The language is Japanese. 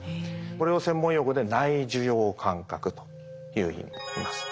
これを専門用語で内受容感覚というふうにいいます。